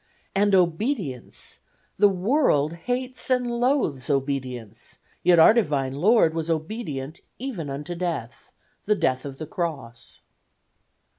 And obedience! The world hates and loathes obedience, yet our Divine Lord was obedient even unto death, the death of the cross.